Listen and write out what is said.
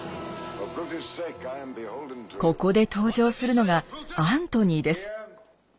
ここで登場するのがアントニーです。